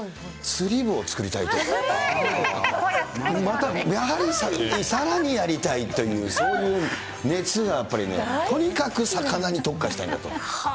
釣り部を作りたい、またさらにやりたいという、そういう熱がやっぱりね、とにかく魚に特化したいんだと。